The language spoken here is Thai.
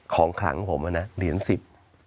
ของขลังของผมนะเหรียญ๑๐